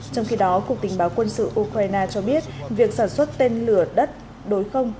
trong khi đó cục tình báo quân sự ukraine cho biết việc sản xuất tên lửa đất đối không